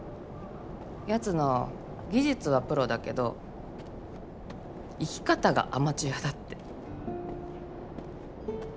やつの技術はプロだけど生き方がアマチュアだって。